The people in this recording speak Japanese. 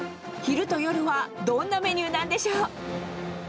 昼と夜はどんなメニューなんでしょう。